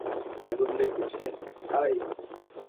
আগুন লেগেছে, তাই?